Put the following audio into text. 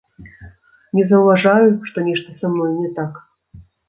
Не заўважаю, што нешта са мной не так.